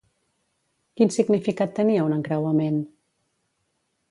Quin significat tenia un encreuament?